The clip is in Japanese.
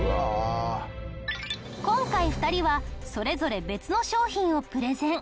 今回２人はそれぞれ別の商品をプレゼン。